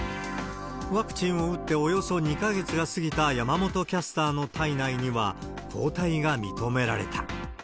ワクチンを打っておよそ２か月が過ぎた山本キャスターの体内には、抗体が認められた。